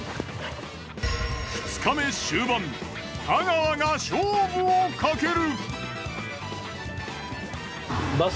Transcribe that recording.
２日目終盤太川が勝負をかける。